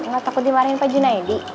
gak takut dimarahin pak junaidi